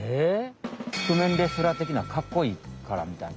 ふくめんレスラーてきなかっこいいからみたいな。